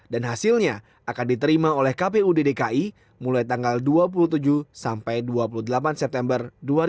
dan hasilnya akan diterima oleh kpu dki mulai tanggal dua puluh tujuh sampai dua puluh delapan september dua ribu enam belas